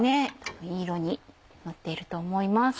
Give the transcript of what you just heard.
いい色になっていると思います。